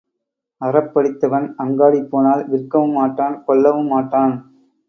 அறப்படித்தவன் அங்காடி போனால், விற்கவும் மாட்டான் கொள்ளவும் மாட்டான்.